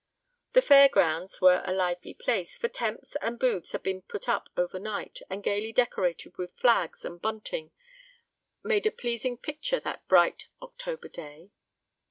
The fair grounds were a lively place, for tents and booths had been put up over night, and, gaily decorated with flags and bunting, made a pleasing picture that bright October day.